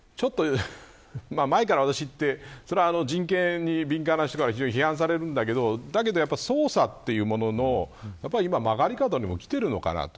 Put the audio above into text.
前から私が言ってそれは人権に敏感な人から非常に批判されるんだけどだけど捜査というものの今、曲がり角にきているのかなと。